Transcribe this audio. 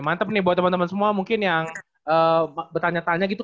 mantep nih buat teman teman semua mungkin yang bertanya tanya gitu